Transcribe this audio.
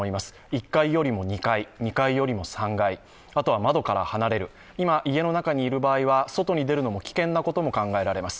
１階よりも２階、２階よりも３階、あとは窓から離れる、今、家の中にいる場合は、外に出るのも危険なことも考えられます。